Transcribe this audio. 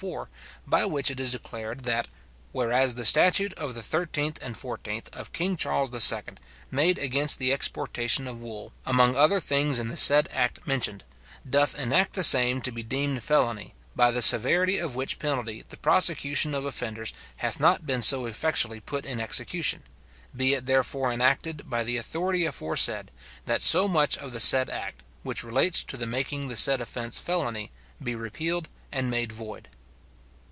4, by which it is declared that "Whereas the statute of the 13th and 14th of king Charles II. made against the exportation of wool, among other things in the said act mentioned, doth enact the same to be deemed felony, by the severity of which penalty the prosecution of offenders hath not been so effectually put in execution; be it therefore enacted, by the authority aforesaid, that so much of the said act, which relates to the making the said offence felony, be repealed and made void."